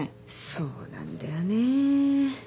そうなんだよね。